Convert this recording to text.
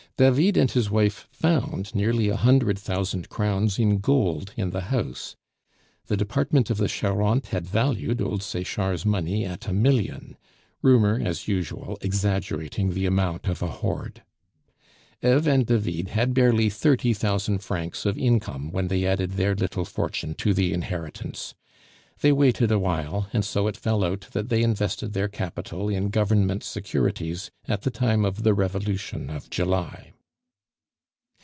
David and his wife found nearly a hundred thousand crowns in gold in the house. The department of the Charente had valued old Sechard's money at a million; rumor, as usual, exaggerating the amount of a hoard. Eve and David had barely thirty thousand francs of income when they added their little fortune to the inheritance; they waited awhile, and so it fell out that they invested their capital in Government securities at the time of the Revolution of July.